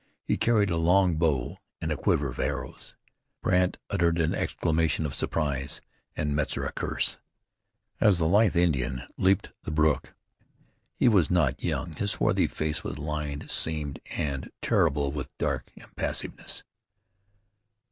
He carried a long bow and a quiver of arrows. Brandt uttered an exclamation of surprise, and Metzar a curse, as the lithe Indian leaped the brook. He was not young. His swarthy face was lined, seamed, and terrible with a dark impassiveness.